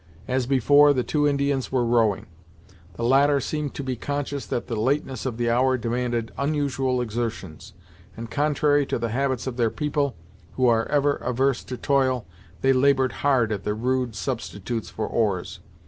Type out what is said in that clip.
As before, the two Indians were rowing. The latter seemed to be conscious that the lateness of the hour demanded unusual exertions, and contrary to the habits of their people, who are ever averse to toil, they labored hard at the rude substitutes for oars.